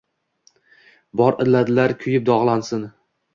Bor illatlar kuyib-dogʼlansin.